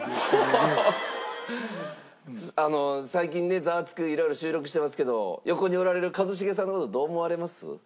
あの最近ね『ザワつく！』いろいろ収録してますけど横におられる一茂さんの事どう思われます？